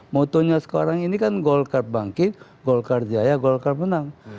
motonya sekarang ini kan golkar bangkit golkar jaya golkar menang